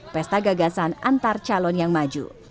pesta gagasan antar calon yang maju